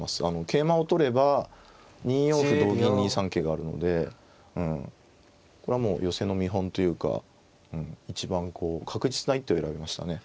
桂馬を取れば２四歩同銀２三桂があるのでこれはもう寄せの見本というか一番こう確実な一手を選びましたね。